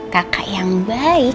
kakak yang baik